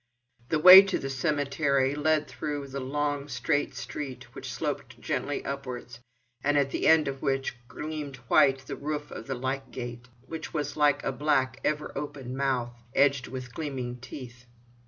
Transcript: The way to the cemetery led through the long, straight street, which sloped gently upwards, and at the end of which gleamed white the roof of the lych gate, which was like a black, ever open mouth edged with gleaming teeth.